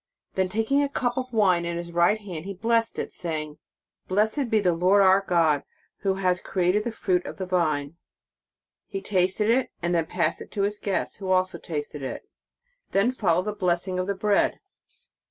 Then taking a cup of wine in his right hand, he blessed it, saying: " Blessed be the Lord our God, who has created the fruit of the vine." He first tasted it, and then passed it to his guests, who also tasted it. Then followed the blessing of the bread.